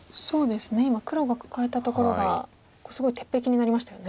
今黒がカカえたところがすごい鉄壁になりましたよね。